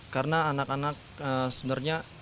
karena anak anak sebenarnya